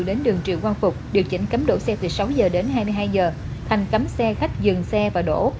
điều chỉnh cấm đổ xe từ sáu h đến hai mươi hai h thành cấm xe khách dừng xe và đổ